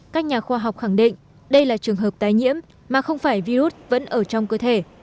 các nhà khoa học khẳng định đây là trường hợp tái nhiễm mà không phải virus vẫn ở trong cơ thể